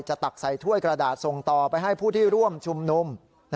ตักใส่ถ้วยกระดาษส่งต่อไปให้ผู้ที่ร่วมชุมนุม